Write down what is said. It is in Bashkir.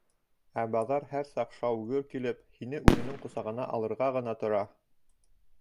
Ә баҙар һәр саҡ шау-гөр килеп, һине үҙенең ҡосағына алырға ғына тора.